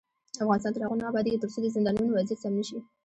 افغانستان تر هغو نه ابادیږي، ترڅو د زندانونو وضعیت سم نشي.